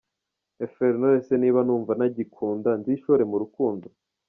fr Nonese niba numva ntikunda nzishore mu rukundo ?.